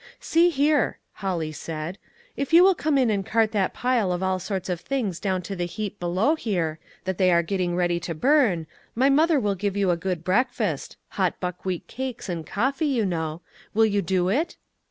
"See here," Holly said, "if you will come in and cart that pile of all sorts of things down to the heap below here, that they are getting ready to burn, my mother will give you a good breakfast — hot buck wheat cakes, and coffee, you know. Will you do it?"